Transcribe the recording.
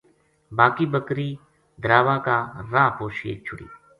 باقی بکری دراوا کا راہ پو شیک چھُڑی